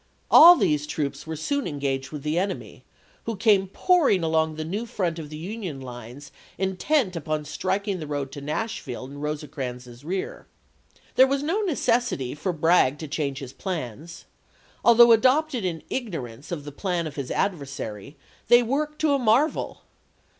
All these troops were soon engaged with the enemy, who came pour ing along the new front of the Union lines in tent upon striking the road to Nashville in Rose crans's rear. There was no necessity for Bragg to change his plans. Although adopted in ignorance of the plan of his adversary, they worked to a marvel.